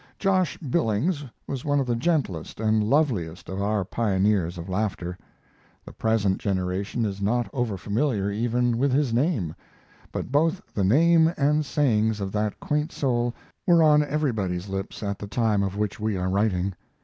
Josh Billings was one of the gentlest and loveliest of our pioneers of laughter. The present generation is not overfamiliar even with his name, but both the name and sayings of that quaint soul were on everybody's lips at the time of which we are writing.